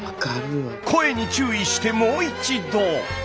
声に注意してもう一度。